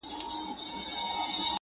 • ویل یې زندګي خو بس په هجر تمامېږي -